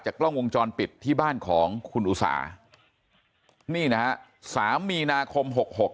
กล้องวงจรปิดที่บ้านของคุณอุสานี่นะฮะ๓มีนาคม๖๖